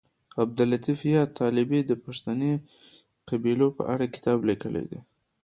عبداللطیف یاد طالبي د پښتني قبیلو په اړه کتاب لیکلی دی